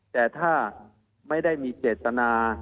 แต่ถ้าไม่ได้มีเจตนา